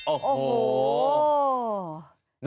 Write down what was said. โอ้โห